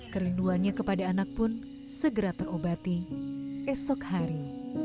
kerinduannya kepada anak pun segera terobati esok hari